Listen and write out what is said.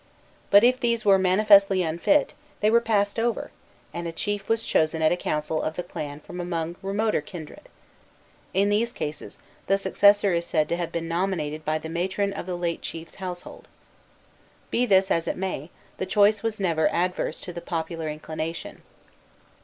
But if these were manifestly unfit, they were passed over, and a chief was chosen at a council of the clan from among remoter kindred. In these cases, the successor is said to have been nominated by the matron of the late chief's household. Be this as it may, the choice was never adverse to the popular inclination.